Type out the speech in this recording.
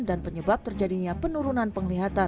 dan penyebab terjadinya penurunan penglihatan